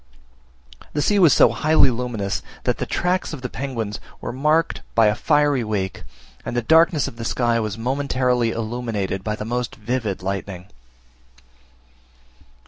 The sea was so highly luminous, that the tracks of the penguins were marked by a fiery wake, and the darkness of the sky was momentarily illuminated by the most vivid lightning.